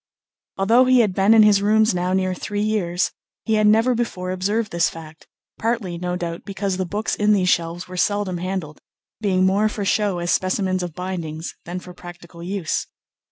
Although he had been in his rooms now near three years, he had never before observed this fact; partly, no doubt, because the books in these shelves were seldom handled, being more for show as specimens of bindings than for practical use.